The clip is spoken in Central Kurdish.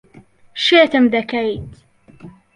شێتم دەکەیت.